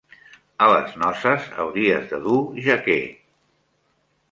A les noces hauries de dur jaqué.